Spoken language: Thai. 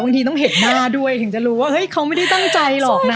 บางทีต้องเห็นหน้าด้วยถึงจะรู้ว่าเฮ้ยเขาไม่ได้ตั้งใจหรอกนะ